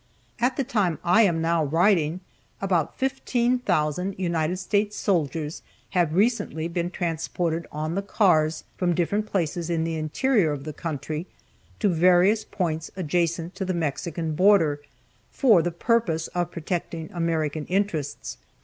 At the time I am now writing, about fifteen thousand United States soldiers have recently been transported on the cars from different places in the interior of the country, to various points adjacent to the Mexican border, for the purpose of protecting American interests.